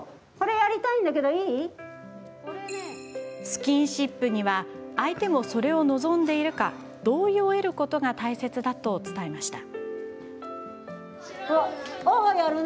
スキンシップには相手もそれを望んでいるか同意を得ることが大切だと伝えました。